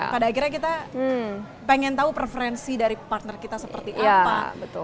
pada akhirnya kita pengen tahu preferensi dari partner kita seperti apa